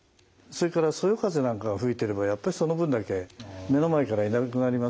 それからそよ風なんかが吹いてればやっぱその分だけ目の前からいなくなりますから。